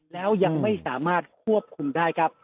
แล้วยังไม่สามารถควบคุมได้ครับ